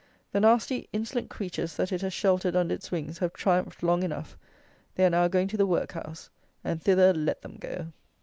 The nasty, insolent creatures that it has sheltered under its wings have triumphed long enough: they are now going to the workhouse; and thither let them go.